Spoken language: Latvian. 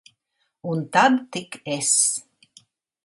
Un tad tik es.